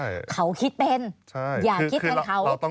เขาคิดเป็นอย่าคิดเป็นเขา